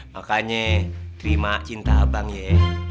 makanya terima cinta abang yee